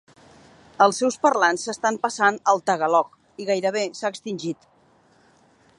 Els seus parlants s'estan passant al Tagalog i gairebé s'ha extingit.